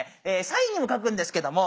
サインにも書くんですけども